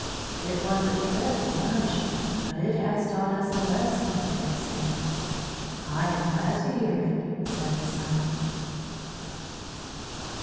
"It was a dreadful punishment, but it has taught us a lesson," they said. "I am glad to hear it," said the Sun.